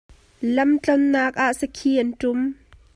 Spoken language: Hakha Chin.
Lam tlonak ah saki an tum.